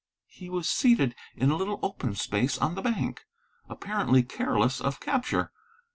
He was seated in a little open space on the bank, apparently careless of capture.